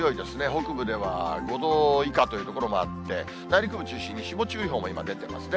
北部では５度以下という所もあって、内陸部中心に霜注意報も今、出ていますね。